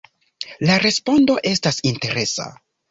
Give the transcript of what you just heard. La respondo estas interesa.